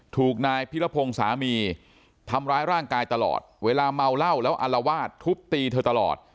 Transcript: ถูกนายพิรพงศ์สามีทำร้ายร่างกายตลอดเวลาเมาเหล้าแล้วอารวาสทุบตีเธอตลอด